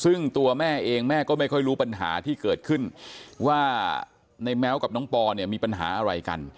ซึ่งตัวแม่เองแม่ก็ไม่ค่อยรู้ปัญหาที่เกิดขึ้นว่าในแม้วกับน้องปอเนี่ยมีปัญหาอะไรกัน